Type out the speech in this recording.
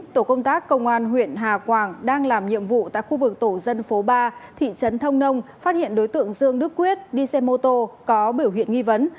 tổ công tác công an huyện hà quảng đang làm nhiệm vụ tại khu vực tổ dân phố ba thị trấn thông nông phát hiện đối tượng dương đức quyết đi xe mô tô có biểu hiện nghi vấn